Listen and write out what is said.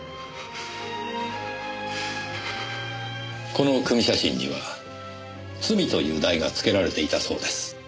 この組み写真には『罪』という題がつけられていたそうです。